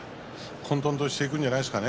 混とんとしていくんじゃないですか？